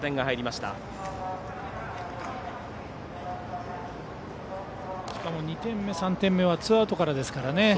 しかも２点目、３点目はツーアウトからですからね。